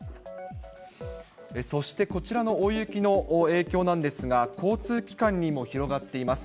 そしてこちらの大雪の影響なんですが、交通機関にも広がっています。